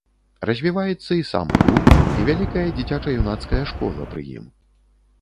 Развіваецца і сам клуб, і вялікая дзіцяча-юнацкая школа пры ім.